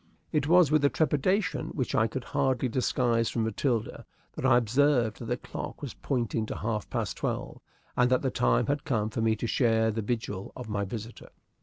It was with a trepidation which I could hardly disguise from Matilda that I observed that the clock was pointing to half past twelve, and that the time had come for me to share the vigil of my visitor.